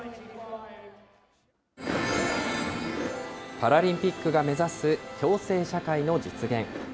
パラリンピックが目指す共生社会の実現。